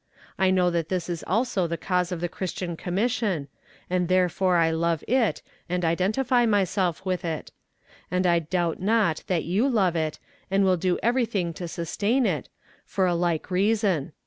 I know that this is also the cause of the Christian Commission, and therefore I love it, and identify myself with it; and I doubt not that you love it, and will do everything to sustain it, for a like reason.